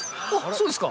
そうですか